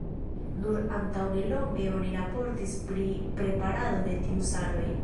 Nur antaŭnelonge oni raportis pri preparado de tiu saloj.